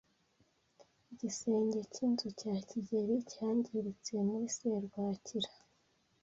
Igisenge cyinzu ya kigeli cyangiritse muri serwakira.